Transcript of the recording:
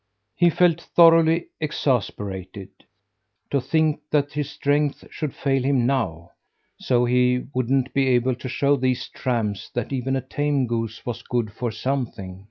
He felt thoroughly exasperated. To think that his strength should fail him now, so he wouldn't be able to show these tramps that even a tame goose was good for something!